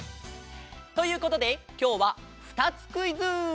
ということできょうはふたつクイズ！